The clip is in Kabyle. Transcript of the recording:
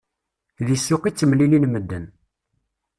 Deg ssuq i ttemlilin medden.